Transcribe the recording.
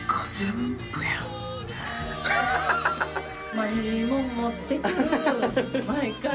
マジでいいもの持ってくる毎回。